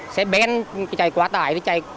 xe ben chạy quá tải